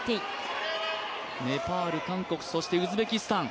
ネパール、韓国、そしてウズベキスタン